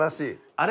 あれ？